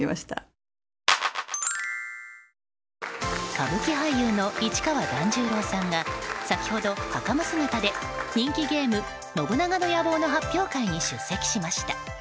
歌舞伎俳優の市川團十郎さんが先ほど、はかま姿で人気ゲーム「信長の野望」の発表会に出席しました。